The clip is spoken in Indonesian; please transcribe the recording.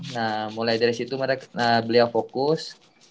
nah mulai dari situ beliau fokus